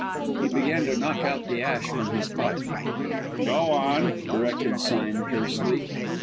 He began to knock out the ash from his pipe. "Go on," directed Sime tersely.